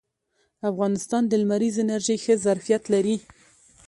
افغانستان د لمریزې انرژۍ ښه ظرفیت لري